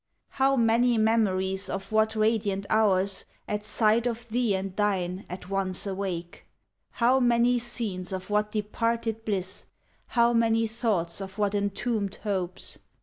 How many memories of what radiant hours At sight of thee and thine at once awake! How many scenes of what departed bliss! How many thoughts of what entombed hopes!